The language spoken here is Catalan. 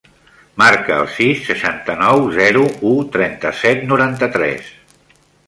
Marca el sis, seixanta-nou, zero, u, trenta-set, noranta-tres.